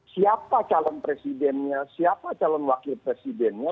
siapa calon presidennya siapa calon wakil presidennya